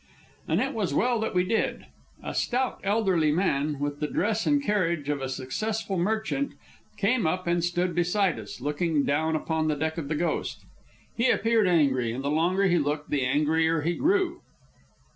And it was well that we did. A stout, elderly man, with the dress and carriage of a successful merchant, came up and stood beside us, looking down upon the deck of the Ghost. He appeared angry, and the longer he looked the angrier he grew.